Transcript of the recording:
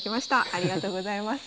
ありがとうございます。